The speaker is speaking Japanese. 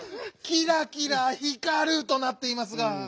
「きらきらひかる」となっていますが。